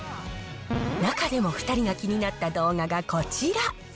中でも２人が気になった動画がこちら。